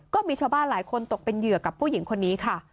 ก็มีชาวบ้านหลายคนตกเป็นเหยื่อกับผู้หญิงคนนี้ค่ะ